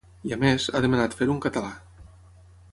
I a més, ha demanat fer-ho en català.